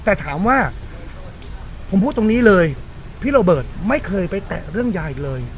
แต่ถามว่าผมพูดตรงนี้เลยพี่โรเบิร์ตไม่เคยไปแตะเรื่องยายอีกเลย